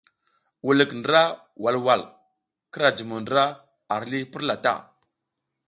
Wulik ndra walwal, kira jumo ndra ar li purla ta.